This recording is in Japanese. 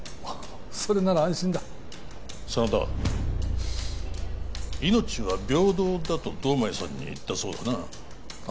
それなら安心だ真田命は平等だと堂前さんに言ったそうだなあ